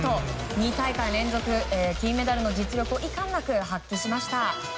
２大会連続金メダルの実力をいかんなく発揮しました。